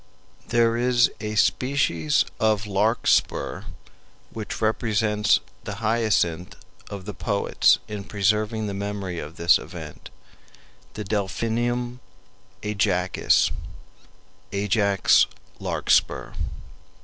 There is a species of Larkspur which represents the hyacinth of the poets in preserving the memory of this event, the Delphinium Ajacis Ajax's Larkspur.